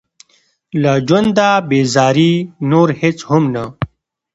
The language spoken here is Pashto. له ژونده بېزاري نور هېڅ هم نه.